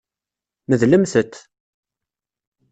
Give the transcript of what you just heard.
Medlemt-t.